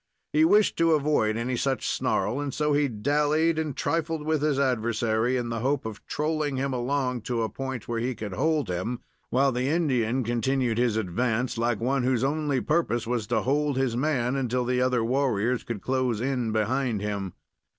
He wished to avoid any such snarl, and so he dallied and trifled with his adversary in the hope of trolling him along to a point where he could hold him, while the Indian continued his advance like one whose only purpose was to hold his man until the other warriors could close in behind him.